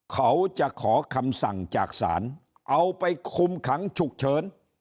เขาจะขอคำสั่งจากศาลเอาไปคุมขังฉุกเฉิน